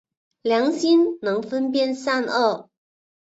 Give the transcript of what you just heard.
良心能分辨善恶。